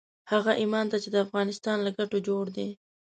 هغه ايمان ته چې د افغانستان له ګټو جوړ دی.